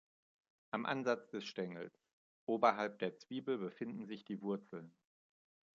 Am Ansatz des Stängels, oberhalb der Zwiebel, befinden sich die Wurzeln.